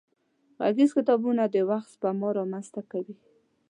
غږيز کتابونه د وخت سپما را منځ ته کوي.